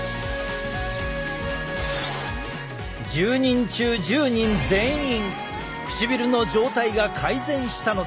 １０人中１０人全員唇の状態が改善したのだ。